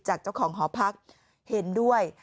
จากเจ้าของหอพักเห็นด้วย